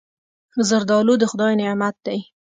زردالو د خدای نعمت دی.